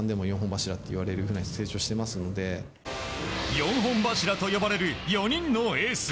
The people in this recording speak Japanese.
４本柱と呼ばれる４人のエース。